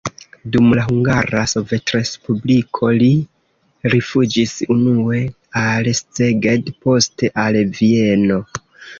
Dum la Hungara Sovetrespubliko li rifuĝis unue al Szeged, poste al Vieno.